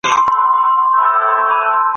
قصاص د مړي د کورنۍ حق دی.